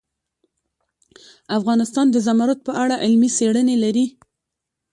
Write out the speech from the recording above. افغانستان د زمرد په اړه علمي څېړنې لري.